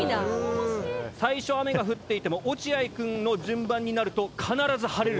最初雨が降っていても落合くんの順番になると必ず晴れる。